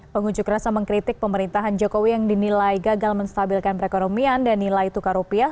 pengunjuk rasa mengkritik pemerintahan jokowi yang dinilai gagal menstabilkan perekonomian dan nilai tukar rupiah